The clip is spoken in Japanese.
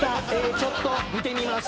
ちょっと見てみます。